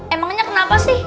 emangnya kenapa sih